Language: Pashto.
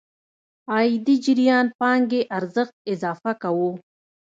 عايدي جريان پانګې ارزښت اضافه کوو.